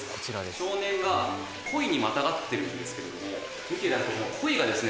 少年が鯉にまたがってるんですけれども見ていただくと鯉がですね